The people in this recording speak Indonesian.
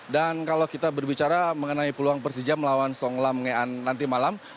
dan kalau kita berbicara mengenai peluang persija melawan song lam ngean nanti malam